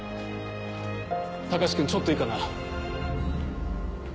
君ちょっといいかな？